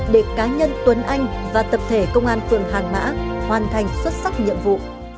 để cá nhân tuấn anh và tập thể công an phường hàng mã hoàn thành xuất sắc nhiệm vụ